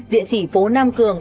điện chỉ phố nam cường